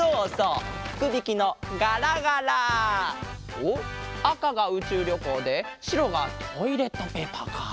おっあかがうちゅうりょこうでしろがトイレットペーパーか。